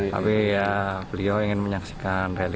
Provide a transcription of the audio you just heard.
tapi ya beliau ingin menyaksikan rally